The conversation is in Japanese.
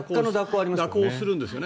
蛇行するんですよね。